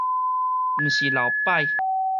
毋是流擺